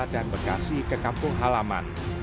dan bekasi ke kampung halaman